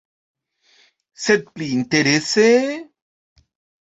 Sed pli interese...